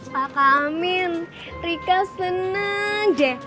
kakak amin rika seneng deh